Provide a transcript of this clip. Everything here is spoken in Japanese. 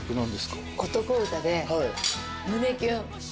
男歌で胸キュン。